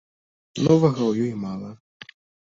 Новага ў ёй мала.